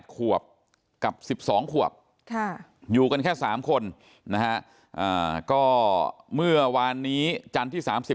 ขวบกับ๑๒ขวบอยู่กันแค่๓คนนะฮะก็เมื่อวานนี้จันทร์ที่๓๔